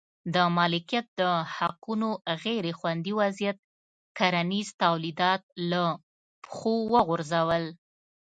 د مالکیت د حقونو غیر خوندي وضعیت کرنیز تولیدات له پښو وغورځول.